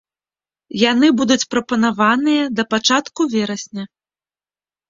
Яны будуць прапанаваныя да пачатку верасня.